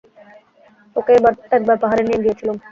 ওকে একবার পাহাড়ে নিয়ে গিয়েছিলুম।